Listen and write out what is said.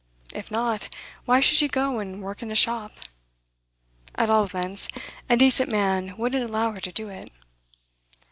If not, why should she go and work in a shop? At all events, a decent man wouldn't allow her to do it.